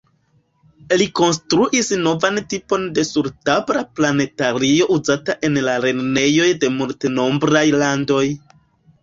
Li konstruis novan tipon de sur-tabla planetario uzita en la lernejoj de multenombraj landoj.